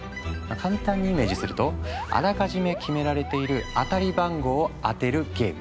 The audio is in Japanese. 簡単にイメージするとあらかじめ決められている当たり番号を当てるゲーム。